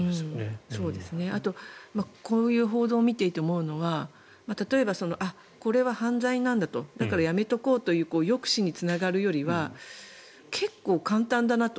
あとこういう報道を見ていて思うのは例えばこれは犯罪なんだとだからやめておこうという抑止につながるよりは結構、簡単だなと。